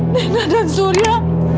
nena dan surya